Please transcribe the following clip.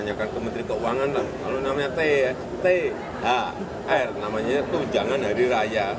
tanyakan ke menteri keuangan lah kalau namanya thr namanya tujangan hari raya